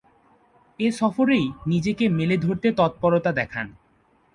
এ সফরেই নিজেকে মেলে ধরতে তৎপরতা দেখান।